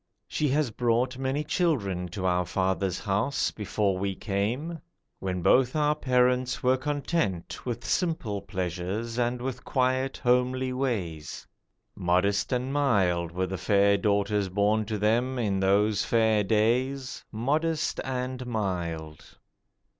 She has brought many children to our father's house Before we came, when both our parents were content With simple pleasures and with quiet homely ways. Modest and mild Were the fair daughters born to them in those fair days, Modest and mild.